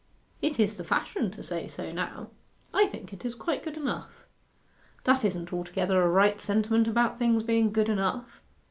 'It is the fashion to say so now. I think it is quite good enough.' 'That isn't altogether a right sentiment about things being good enough.